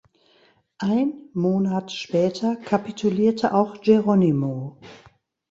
Ein Monat später kapitulierte auch Geronimo.